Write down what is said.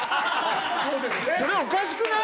それ、おかしくない？